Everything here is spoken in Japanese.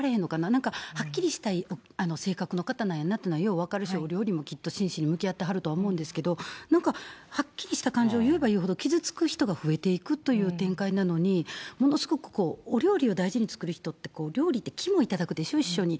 なんか、はっきりしたい性格の方なんやなって、よう分かるし、お料理もきっと真摯に向き合ってはると思うんですけれども、なんか、はっきりした感情を言えば言うほど、傷つく人が増えていくという展開なのに、ものすごくこう、お料理を大事に作る人って、料理って気も頂くでしょう、一緒に。